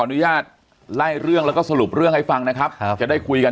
อนุญาตไล่เรื่องแล้วก็สรุปเรื่องให้ฟังนะครับจะได้คุยกัน